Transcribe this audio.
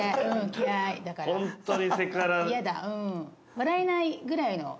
笑えないぐらいの。